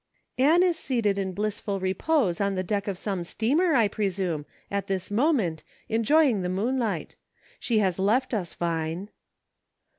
'"" Ann is seated in blissful repose on the deck of some steamer, I presume, at this moment, enjoy ing the moonlight. She has left us. Vine."